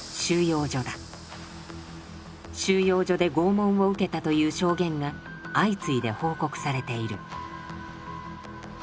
収容所で拷問を受けたという証言が相次いで報告されている。